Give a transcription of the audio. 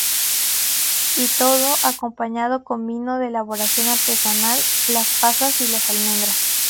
Y todo, acompañado con vino de elaboración artesanal, las pasas y las almendras.